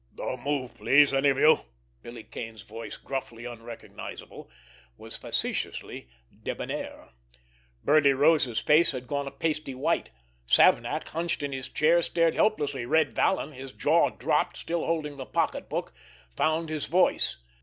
"Don't move, please, any of you!" Billy Kane's voice, gruffly unrecognizable, was facetiously debonair. Birdie Rose's face had gone a pasty white; Savnak, hunched in his chair, stared helplessly; Red Vallon, his jaw dropped, still holding the pocketbook, found his voice.